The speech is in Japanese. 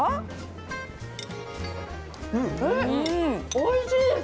おいしいです。